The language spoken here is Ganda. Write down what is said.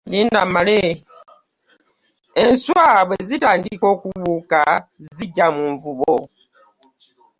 Enswa bwezitandika okubuuka zijja mu nvubo.